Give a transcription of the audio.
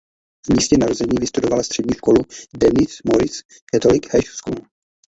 V místě narození vystudovala střední školu Denis Morris Catholic High School.